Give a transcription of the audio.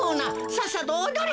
さっさとおどれ。